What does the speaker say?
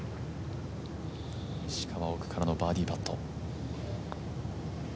石川、奥からのバーディーパット。